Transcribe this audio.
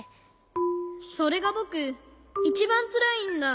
それがぼくいちばんつらいんだ。